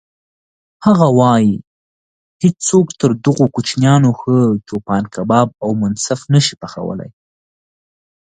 هغه وایي: هیڅوک تر دغو کوچیانو ښه چوپان کباب او منسف نه شي پخولی.